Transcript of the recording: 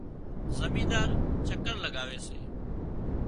زمينۮار چڪر لڳاوي سي